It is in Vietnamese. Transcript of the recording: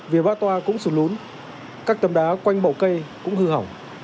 vỉa ba toa cũng xùn lún các tầm đá quanh bậu cây cũng hư hỏng